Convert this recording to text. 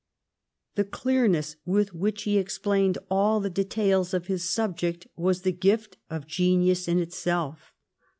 l^he clearness with which he explained all the details of his subject was the gift of genius in itself.